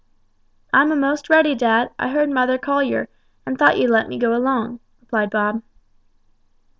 "I'm a'most ready, dad; I heard mother call yer, and thought you'd let me go along," replied Bob.